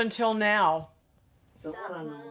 「そうなの」。